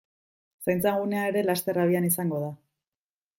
Zaintza gunea ere laster abian izango da.